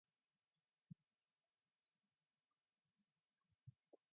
He ordered schools to have environmental subjects in schools' curricula.